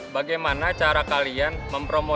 bagaimana cara kalian mencari kemampuan untuk mencari kemampuan